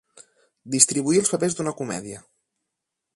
Distribuir els papers d'una comèdia.